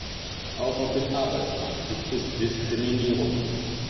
Auch auf dem Arbeitsmarkt gibt es Diskriminierung.